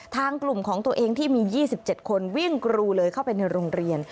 ทางกลุ่มของตัวเองที่มี๒๗คนวิ่งกรูเลยเข้าไปในโรงเรียน